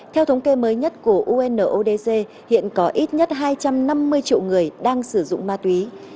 theo thống kê mới nhất của unodc hiện có ít nhất hai trăm năm mươi triệu người đang sử dụng ma túy